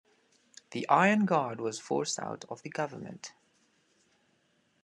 The Iron Guard was forced out of the government.